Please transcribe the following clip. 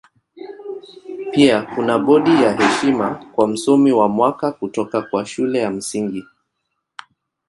Pia kuna bodi ya heshima kwa Msomi wa Mwaka kutoka kwa Shule ya Msingi.